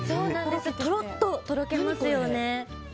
とろっととろけますよね。